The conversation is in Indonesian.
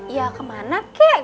ya kemana kek